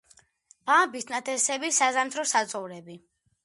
ბამბის ნათესები, საზამთრო საძოვრები.